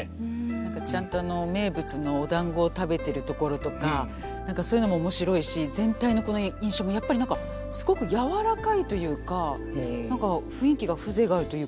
何かちゃんと名物のおだんごを食べてるところとか何かそういうのも面白いし全体のこの印象もやっぱり何かすごく柔らかいというか何か雰囲気が風情があるというか。